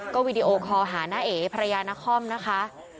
วีดีโอคอลหาน้าเอ๋ภรรยานครนะคะ